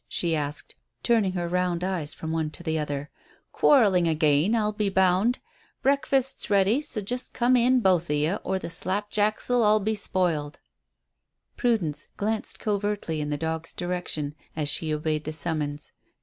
she asked, turning her round eyes from one to the other. "Quarrelling again, I'll be bound. Breakfast's ready, so just come in, both of you, or the 'slap jacks' 'll all be spoiled." Prudence glanced covertly in the dog's direction as she obeyed the summons.